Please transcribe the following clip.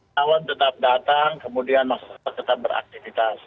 tawan tetap datang kemudian masyarakat tetap beraktivitas